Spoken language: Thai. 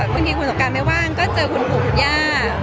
บางทีคุณสงการไม่ว่างก็เจอคุณปู่คุณย่า